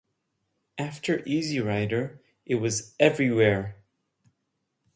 After Easy Rider, it was everywhere.